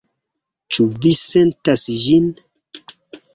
Ĉu vi sentas ĝin?